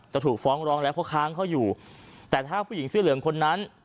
ถูกฟ้องร้องแล้วเพราะค้างเขาอยู่แต่ถ้าผู้หญิงเสื้อเหลืองคนนั้น